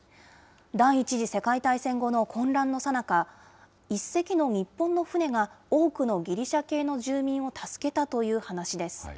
第１次世界大戦後の混乱のさなか、１隻の日本の船が多くのギリシャ系の住民を助けたという話です。